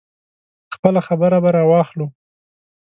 خپله خبره به راواخلو.